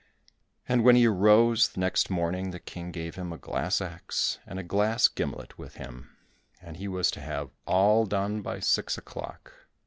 And when he arose next morning the King gave him a glass axe and a glass gimlet with him, and he was to have all done by six o'clock.